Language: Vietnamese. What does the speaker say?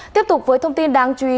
tiếp tục với thông tin đáng chú ý